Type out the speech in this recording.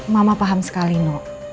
mama paham sekali noh